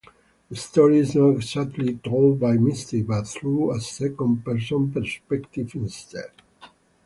The story is not exactly told by Misty but through a second-person perspective instead.